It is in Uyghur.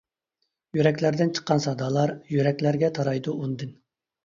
يۈرەكلەردىن چىققان سادالار، يۈرەكلەرگە تارايدۇ ئۇندىن.